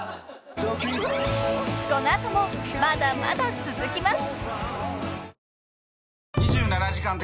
［この後もまだまだ続きます］